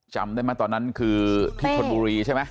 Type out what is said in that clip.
จำได้ไหมตอนนั้นคือที่ชนบุรีใช่ไหม